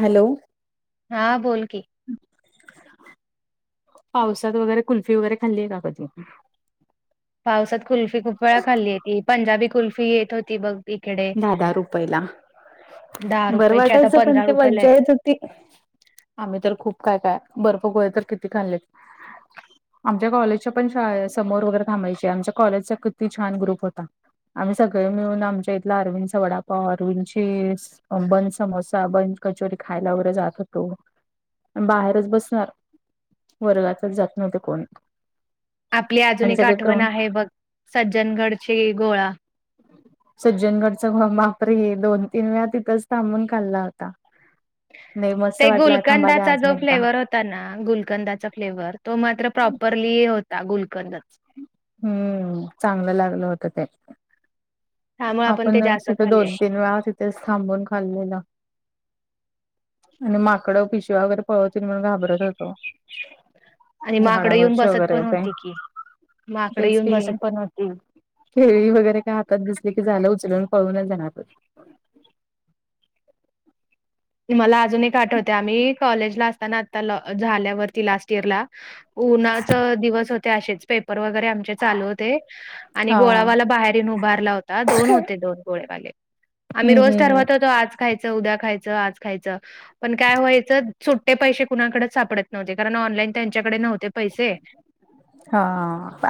Hello. हा, बोल की. पावसात वगैरे, कुल्फी वगैरे खाल्लीय का, कधी? पावसात कुल्फी खूप वेळा खाल्लीय. ती पंजाबी कुल्फी येत होती बघ. इकडे दहा - दहा रुपयला. दहा बरं रुपयाची आता वाटायचं. पण पंधरा ते रुपयाला मज्जा आहे येत होती. आम्ही तर खूप काय- काय? बर्फ गोळे तर किती खाल्लेत. आमच्या कॉलेजच्या पण शाळा समोर वगैरे थांबायची. आमच्या कॉलेजचा किती, छान ग्रुप होता. आम्ही सगळे मिळून, आमच्या इथला अरविंदचा वडापाव. अरविंद चेस बन समोसा, बन कचोरी खायला वगैरे जात होतो. बाहेरच बसणार. वर्गाातच जात नव्हतं कोण. आपली अजून आणि एक सगळे आठवण क्राऊन आहे बघ. सज्जनगडची, गोळा. सज्जनगडच गो बापरे! दोन - तीन वेळा तिथंच, थांबून खाल्ला होता. नाही मस्त वाटलंय. थांबा, द्या. अजून एकदा. ताना. गुलकंदाचा फ्लेवर. तो मात्र प्रॉपरली होता, गुलकंद. हम्म, चांगलं लागलं होतं ते. त्यामुळे ते आपण [unintelligible] जास्त तिथे खाल्ले दोन- तीन वेळा तिथ तेच थांबून खाल्लेलं. आणि माकडं पिशव्या वैगेरे पळवतील म्हणून घाबरत होतो. आणि माकडे येऊन झाडावरची बसत वगैरे पण ते होती की. माकडे तेच येऊन की ग, बसत पण होती. केळी वगैरे काय हात दिसली की, झालं उचलून पळूनच जाणार ते. मला अजून एक आठवते. आम्ही कॉलेजला असताना, आता ल झाल्यावरती लास्ट इयरला उन्हाचं दिवस होते असेच. पेपर वगैरे आमचे चालू होत ते आणि हा गोळावाला बाहेर येन उभारला होता. दोन होते, दोन गोळेवाले. आम्ही हम्म रोज हम् ठरवत होतो. आज खायचं. उद्या खायचं. आज खायचं. पण काय व्हायचं सुट्टे पैसे कुणाकडेच सापडत नव्हते. कारण, ऑनलाईन त्यांच्याकडे नव्हते पैसे हा,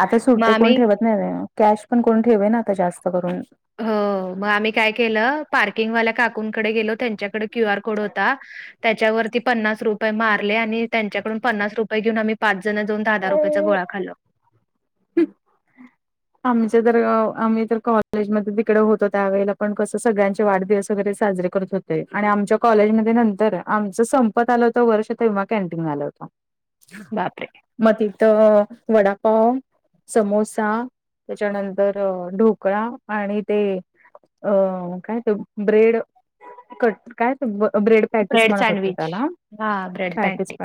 आता मग सुट्टे कोण आम्ही ठेवत नाही. नाही कॅश पण कोण ठेवेना. आता जास्त करून. हो, मग आम्ही काय केलं. पार्किंगवाल्या काकुंकडे गेलो. त्यांच्याकडे क्यू आर कोड होता. त्याच्यावरती पन्नास रुपये मारले आणि त्यांच्याकडून पन्नास रुपय घेऊन, आम्ही पाच जण जाऊन, दहा- दहा रुपयाचा गोळा खालो. आमच्या जर, आम्ही तर कॉलेजमध्ये तिकडे होतो. त्यावेळेला पण कसं, सगळ्यांचे वाढदिवस वगैरे साजरे करत होतो. ते आणि आमच्या कॉलेजमध्ये नंतर, आमचं संपत आलं होतं वर्ष. तेव्हा कॅनटीन आलं होत. [inaudible] बापरे म तिथं वडापाव, समोसा त्याच्यानंतर ढोकळा आणि ते अं काय त ब्रेड कट काय ते ब्रेड पॅटीस म्हणत होते त्याला हां, ब्रेड पॅटीस [inaudible]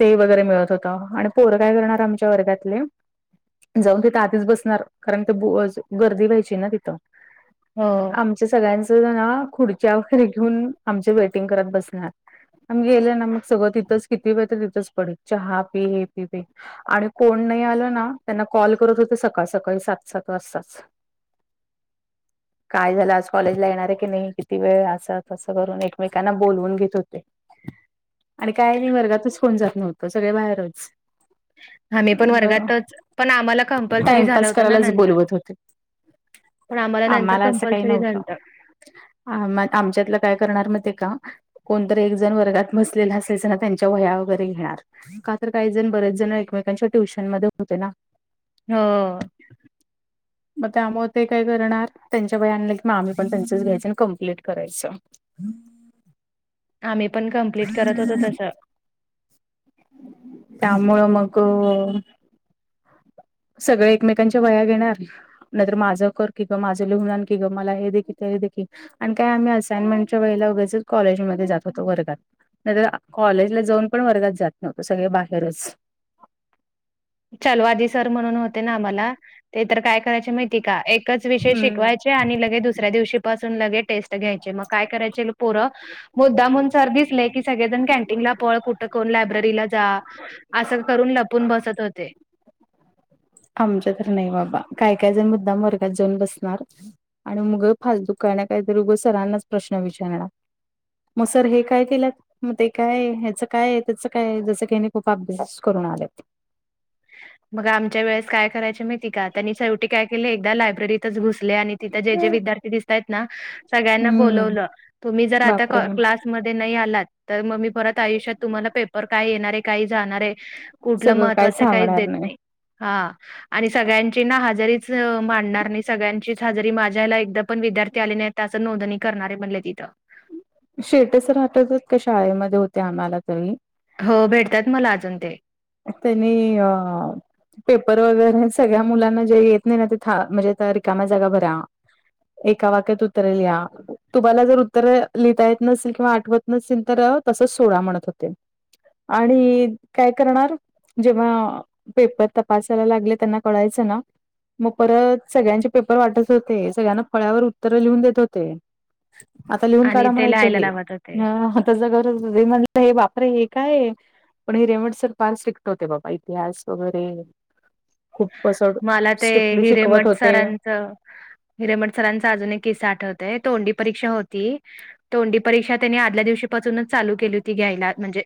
ते वगैरे मिळत होत आणि पोर काय करणार आमच्या वर्गातले, जाऊ देत तिथं आधीच बसणार कारण, ते गर्दी व्हायची ना तिथं हो आमच्या सगळ्यांच जण, खुडच्या वगैरे घेऊन आमच्या वेटिंग करत बसणार आम्ही गेले ना, मग सगळं तिथंच किती प तर तिथच पडेल च हा पी हे पी पी आणि कोन नाही आलं ना, त्यांना कॉल करत हो तर सकाळ -सकाळी सात सात वाजताच काय झालं आज कॉलेजला येणार आहे की नाही, किती वेळ अस तसं करून एकमेकांना बोलवून घेत होते. आणि काय नाही वर्गातच कोण जात नव्हते सगळ बाहेरच. आम्ही पण वर्गातच, पण आम्हाला कंपल्सरी झालं टाइमपास होतं ना करायलाच नंतर. बोलवत होते. पण नंतर आम्हाला असं काही कंपल्सरी झालं नव्हतं होतं. आं आमच्यातलं काय करणार माहिते का? कोणतरी एक जण वर्गात बसलेलं असेलचं ना, त्यांच्या वया वगैरे घेणार का तर काही जण बरेच जण एकमेकांच्या ट्युशन मध्ये होते ना. हो [inaudible] मग त्यामुळे ते काय करणार त्यांच्या वया आणलं की, मग आम्ही पण त्यांचंच घ्यायच कम्प्लीट करायचं. आम्ही पण कमप्लीट करत होतो तसं. त्यामूळ मग सगळे एकमेकांच्या वया घेणार नाहीर माझं कर कि ग, माझं लिहून आण की गं मला हे देखील ते देखील. आणि काय आम्ही असाइनमेंटच्या वेळेला उगेच, कॉलेजमध्ये जात होतो वर्गात नाही तर कॉलेजला जाऊन, पण वर्गात जात नव्हतो सगळे बाहेरच ल आधी सर म्हणून होते ना, आम्हाला ते तर काय करायचे माहिती का एकच विषय हम्म शिकवायचे आणि लगे दुसऱ्या दिवशी पासून लगे टेस्ट घ्यायचे, मग काय करायचे पोरं मुद्दा मुन सर दिसलेय की, सगळेजण कॅनटीनला पळ, कुठं कोण लायब्ररीला जा असं करून लपून बसत होते आमच तर नाही बाबा, काय काय जण मुद्दाम वर्गात जाऊन बसणार. आणि मुग फालतु कर ना काय तर र उगं सरांनाच प्रश्न विचारणार मग सर हे काय केलंत? मग ते काय, ह्याच काय आहे, त्याच काय जसं कही खूप अभ्यास करून आलेत. मग आमच्या वेळेस काय करायच माहिती का, त्यांनी शेवटी काय केले एकदा लायब्ररीतच घुसले आणि तिथं जे जे विद्यार्थी दिसतात ना सगळ्यांना हम्म बोलवलं तुम्ही जर आता बापरे क्लास तुम्ही नाही आला तर, मग मी परत आयुष्यात तुम्हाला पेपर काय येणार काही जाणार आहे कुठ सगळं काय महत्वाच सांगणार नाही हा आणि सगळ्यांची ना, हजरीच मांडणार नाही सगळ्यांचीच हजेरी माझ्याला एकदा पण विद्यार्थी आले नाही त्याच नोंदणी करणारे म्हणले तिथं शेटस वाटवतात का, शाळेमध्ये होते आम्हाला तरी हो भेटतयात मला अजून ते. त्यांनी अ पेपर वगैरे सगळ्या मुलांना जे येत नाही ना ते, म्हणजे रिकाम्या जागा भरा. एका वाक्यात उतरे लिहा. तुम्हाला जर उत्तर लिहिता येत नसेल, किंवा आठवत नसेल, तर तसच सोडा म्हणत होते. आणि काय कणार जेव्हा पेपर तसायला लागले. त्यांना कळायच ना. मग परत सगळ्यांचे पेपर वाटत होते. सगळ्यांना फळ्यावर उत्तर लिहून देत होते. आता लिहून आणि काढा ते म्हणायचं लिहायला हे. लावत होते. त्या गरज म्हणल हे बापरे हे काये? पण हीरेमट सर फार स्ट्रिक्ट होते बाबा. इतिहास वगैरे. खूप असं मला ते स्ट्रिक्टली शिकवत हिरेमठ होते सरांचं हिरेमट सरांचा अजून एक किस्सा आठवतोय. तोंडी परीक्षा होती. तोंडी परीक्षा त्यांनी आदल्या दिवशीपासूनच चालू केली होती घ्यायला. म्हणजे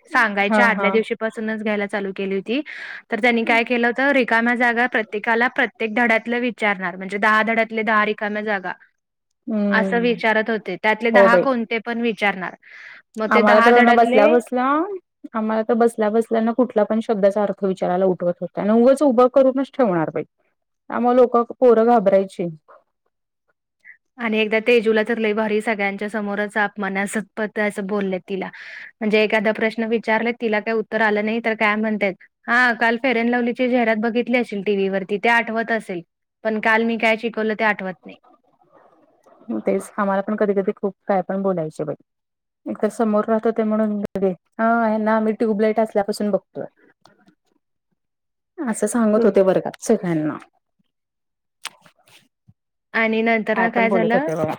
हा सांगायच्या आदल्या हा दिवशी पाासूनच घ्यायला चालू केली होती. तर त्यांनी काय केलं होत रिकाम्या जागा प्रत्येकाला प्रत्येक धड्यातलं विचारणार. म्हणजे दहा धड्यातले दहा रिकाम्या जागा. असं हम्म विचारत होते. त्यातले हो दहा बाई कोणते पण विचारणार. मग ते आम्हाला दहा तर ना बसल्या धड्यातले बसल्या आम्हाला तर बसल्या बसल्यांना कुठला पण शब्दाचा अर्थ विचारायला उठवत होते. आणि उगंच उभं करूनच ठेवणार बाई. आ मग लोक पोरं घाबरायची. आणि एकदा तेजूला तर लई भारी. सगळ्यांच्या समोरच अपमानस पत असं बोललं तिला. म्हणजे एखादा प्रश्न विचारला. तिला काही उत्तर आलं नाही. तर काय म्हणतात. हा काल फेरनलवलीची जाहिरात बघितली असेल टीव्ही वरती. ते आठवत असेल. पण काल मी काय शिकवलं ते आठवत नाही. तेच आम्हाला पण कधी कधी खूप काय पण बोलायचे बाई. एक त समोर राहतं ह़ोते म्हणून, ले ह यांना आम्ही ट्यूबलाईट असल्यापासून बघतोय. असं सांगत खूप. होते वर्गात सगळ्यांना. आणि नंतर ना पण काय बोलत झालं? होते बघा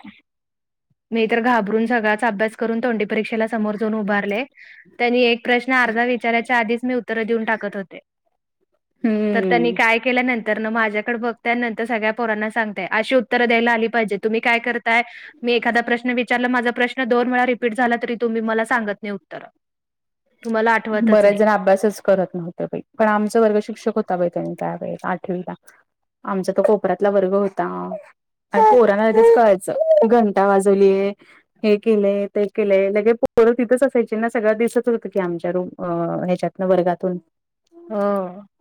मी तर घबरून सगळाच अभ्यास करून तोंडी परीक्षेला समोर जाऊन उभारले. त्यांनी एक प्रश्न अर्धा विचाराच्या आधीच मी उत्तर देऊन टाकत होते. तर हम्म. त्यांनी काय केल्या नंतर ना. माझ्याकडे बघत नंतर सगळ्या पोरांना सांग त. अशी उत्तरं द्यायला आली पाहिजे. तुम्ही काय करताय? मी एखादा प्रश्न विचारला. माझा प्रश्न दोन वेळा रिपीट झाला. तरी तुम्ही मला सांगत नाही उत्तर. तुम्हाला आठवतच बरेच नाही जण अभ्यासच करत नव्हते बाई. पण आमचा वर्ग शिक्षक होता बाई. त्यांनी त्यावेळेला. आठवीला. आमचा त कोपऱ्यातला वर्ग होता. अन पोरानाच आधीच कळायचं. घंटा वाजवलीय. हे केलंय. ते केलंय. लगे पोरं तिथंच असायचे ना. सगळ्या दिसत होत. की आमच्या र ह्याच्यातन. वर्गातून. हो.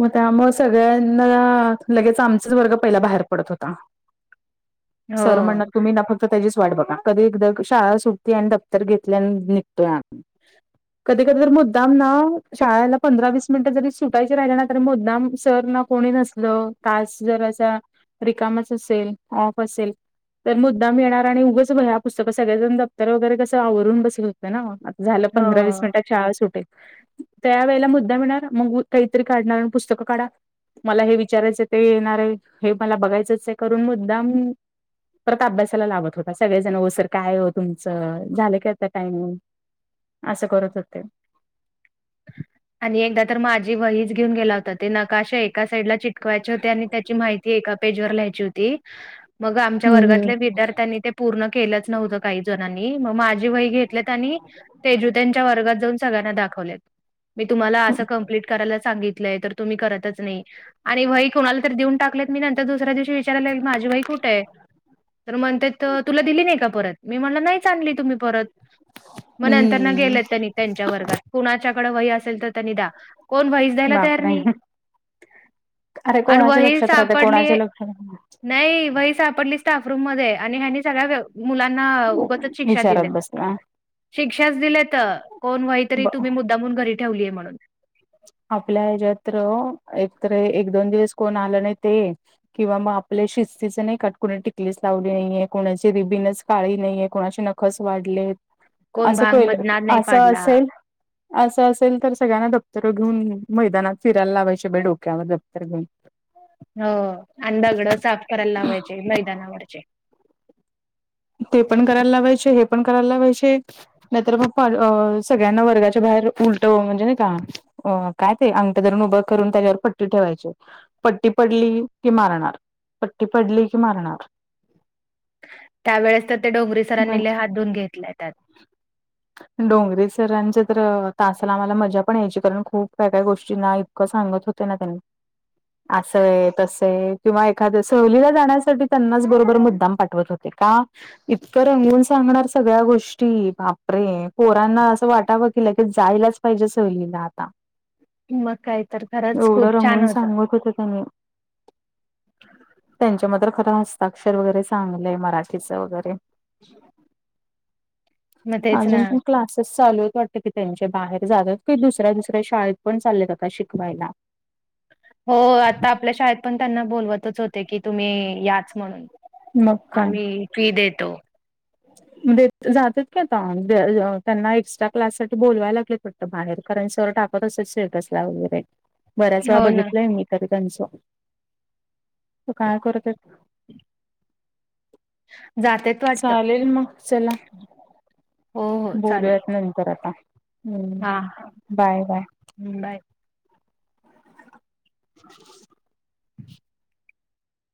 मग त्यामुळ सगळ्यांना, लगेच आमचाच वर्ग पहिला बाहेर पडत होता. सर म्हणत. हो तुम्ही ना फक्त त्याचीच वाट बघा. कधी एकदा शाळा सुटती. आणि दफ्तर घेतलीन निघतोय आम्ही. कधी कधी तर मुद्दाम ना, शाळेला पंधरा वीस मिनटं जरी सुटायची राहिले ना तरी मुद्दाम सर ना कोणी नसल तास जर असा रिकामच असेल, ऑफ असेल. तर मुद्दाम येणार आणि उगंच भई ह्या पुस्तकात सगळ्याजण दप्तर वगैरेस आवरून बसले होतं ना. झालं पंधरा वीस हो मिनट शाळा सुटेल. त्या वेळेला मुद्दा मिळणार मग काहीतरी काढणार पुस्तकं काढा. मला हे विचारायचं ते येणार आहे हे मला बघायचंच आहे करून मुद्दाम परत अभ्यासाला लाभत होता सगळेजण ओ सर काय हो तुमचं झालं काय आता टाइमिंग. असं करत होते. आणि एकदा तर माझी वहीच घेऊन गेला होता त्यानं नकाशा एका साईडला च शिकवायचे होते आणि त्याची माहिती एका पेज वर लिहायची होती. मग आमच्या हम्म वर्गातल्या हम्म विद्यार्थ्यांनी ते पूर्ण केलंच नव्हतं काही जणांनी मग माझी वही घेतलेत आणि तेजु त्यांच्या वर्गात जाऊन सगळ्यांना दाखवलेत. मी तुम्हाला असं कंप्लीट करायला सांगितलंय तर तुम्ही करतच नाही. आणि वई कोणाला तरी देऊन टाकलेत, मी नंतर दुसऱ्यावशी विचारयला ला की माझी वई कुठे आहे? तर म्हणताेत तुला दिली नाही का परत मी म्हणला नाही स आणली तुम्ही परत. मग नंतर ना हम्म गेलं त्यांनी त्यांच्या वर्गात कुणा कड वही असेल त्यांनी दया कोण व तयार बापरे नाही अरे आणि कोणाच्या वही लक्षात राहते सापडली कोणाच्या लक्षात राहते. नाही वही सापडली स्टाफरूम मध्ये आणि ह्यानी सगळ्या व मुलांना उगतच शिक्षा दिलेत. विचारत बसला शिक्षाच दिल्यात कोण वही तरी ब तुम्ही मुद्दामून घरी ठेवलीय म्हणून. आपल्या ह्याच्यात्र एकत एक दोन दिवस कोण आला नाही ते किंवा मग आपल्या शिस्तीच नाही कट कोणी टिकलीच लावली नाहीये कोणाची रिबीनच काळी नाहीे कोणाशी न स वाढले कोण भांग असंल मधना नाही असं पाडला असेल असं असेल तर सगळ्यांना ड तर घेऊन मैदानात फिरायला लावायशि बय डोक्यावर दप्तर घेऊन. हो आणि दगडं साफ करायला लावायचे. मैदानावरचे ते पण करायला लावायचे हे पण करायला लावायचे. नाहीतर मग सगळ्यांना वर्गाच्या बाहेर उलट म्हणजे नाही का. अ काय ते अंगठ धरून उभं करून त्याच्यावर पट्टी ठेवायचे. पट्टी पडली की मारणार, पट्टी पडली की मारणार. त्यावेळेस तर ते डोंगरी सरांनी लय म्हणजे हात धुन घेतय त्यात. डोंगरीे सरांच्या तर तासाला आम्हाला मजा पण यायची कारण खूप काय काही गोष्टींना सांगत होते ना त्यांनी. असंय तसय किंवा एखाद्या सहलीला जाण्यासाठी त्यांनाच बरोबर मुद्दाम पाठवत होत. ते का इतकं रंगून सांगणार सगळ्या गोष् बापरे पोरांना असं वाटावं किलं की जायलाच पाहिजे सहलीला आता. मग काय तर खरंच एवढं खूप छान रंगून होतं सांगत होत त्यांनी. त्यांच्या म खरं हस्ताक्षर वगैरे चांगलंय मराठीचं वगैरे. [inaudible] तेच ना. [unintelligible] क्लासेस चालूत वाटते की त्यांचे बाहेर जात की दुसऱ्या दुसऱ्या शाळेत पण चाललेत आता शिकवायला. हो आता आपल्या शाळेत पण त्यांना बोलवतच होते की तुम्ही याच म्हणून. मग आम्ही फी देतो. द जातात का आता [unintelligible] त्यांना एक्स्ट्रा क्लाससाठी बोलवाय लागले बाहेर करन सर टाकत [unintelligible] स्टेटसला वगैरे. बऱ्याच वेळा हो ना बघितलंय मी तरी त्यांचं. जात्यात. चालेल मग चला, हो हो चालेल बोलूयात नंतर आता. हा हम्म, हा बाय बाय. बाय. [inaudible]